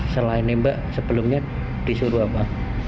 selain nembak sebelumnya disuruh apa